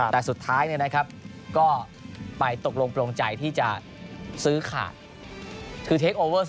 แต่สุดท้ายก็ไปตกลงโปรงใจที่จะซื้อขาด